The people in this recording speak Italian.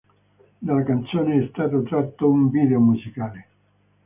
Dalla canzone è stato tratto un video musicale.